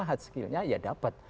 hard skillnya ya dapat